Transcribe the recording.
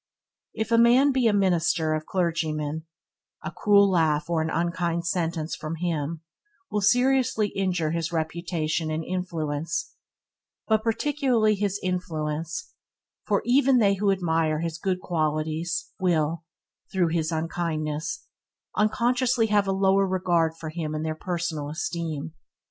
If a man be a minister or a clergyman, a cruel laugh or an unkind sentence from him will seriously injure his reputation and influence, but particularly his influence, for even they who admire his good qualities will, through his unkindness, unconsciously have a lower regard for him in their personal esteem.